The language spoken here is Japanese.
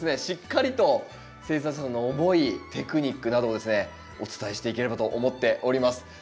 しっかりと生産者さんの思いテクニックなどですねお伝えしていければと思っております。